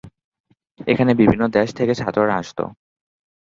এখানে বিভিন্ন দেশ থেকে ছাত্ররা আসতো।